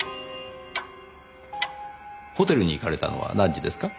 ホテルに行かれたのは何時ですか？